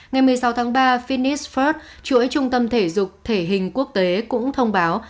ngày một mươi sáu tháng ba finis ford chuỗi trung tâm thể dục thể hình quốc tế cũng thông báo